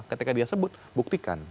ketika dia sebut buktikan